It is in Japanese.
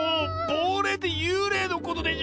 ぼうれいってゆうれいのことでしょ